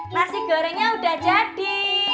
nasi gorengnya udah jadi